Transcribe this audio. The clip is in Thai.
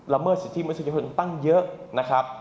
ละเมิดสิทธิเหมือนสิทธิประสงค์ตั้งเยอะ